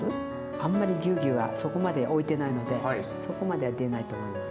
あんまりぎゅうぎゅうはそこまでおいてないのでそこまでは出ないと思います。